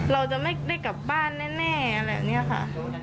เราจะไม่ได้กลับบ้านแน่อะไรแบบนี้ค่ะ